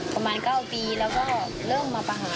ประมาณ๙ปีแล้วก็เริ่มมาประหาร